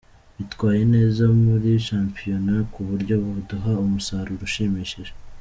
Bitwaye neza muri shampiyona ku buryo baduha umusaruro ushimishije.